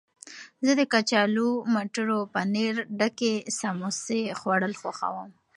زه د کچالو، مټرو او پنیر ډکې سموسې خوړل خوښوم.